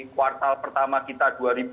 kuartal pertama kita